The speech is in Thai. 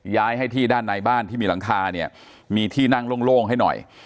ย้ายให้ที่ด้านในบ้านที่มีหลังคาเนี่ยมีที่นั่งโล่งให้หน่อย